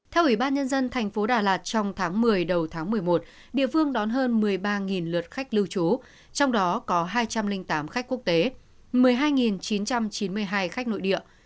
theo ubnd tp đà lạt trong tháng một mươi đầu tháng một mươi một địa phương đón hơn một mươi ba lượt khách lưu trú trong đó có hai trăm linh tám khách quốc tế một mươi hai chín trăm chín mươi hai khách nội địa